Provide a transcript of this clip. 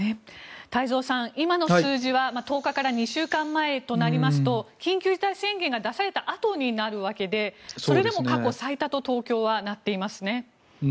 太蔵さん、今の数字は１０日から２週間前となりますと緊急事態宣言が出されたあとになるわけでそれでも過去最多と東京はなっていますね。